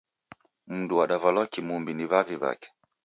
Mundu wadavalwa kimumbi ni w'avi w'ake